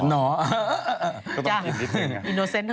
ก็ต้องกินนิดนึง